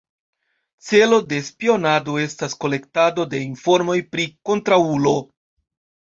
Celo de spionado estas kolektado de informoj pri kontraŭulo.